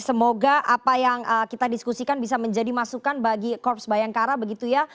semoga apa yang kita diskusikan bisa menjadi masukan bagi korps bayangkara begitu ya